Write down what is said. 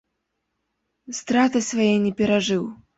Страты свае не перажыў.